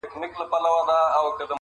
ښه او بد د قاضي ټول ورته عیان سو,